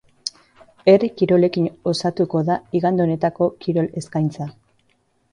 Herri kirolekin osatuko da igande honetako kirol eskaintza.